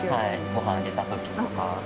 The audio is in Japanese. ごはんあげたときとか。